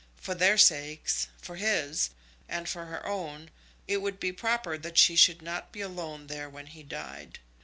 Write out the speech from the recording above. For their sakes, for his, and for her own, it would be proper that she should not be alone there when he died.